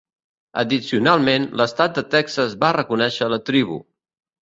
Addicionalment, l'estat de Texas va reconèixer la tribu.